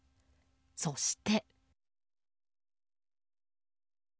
そして。